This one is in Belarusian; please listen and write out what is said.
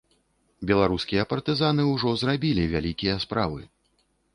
Беларускія партызаны ўжо зрабілі вялікія справы.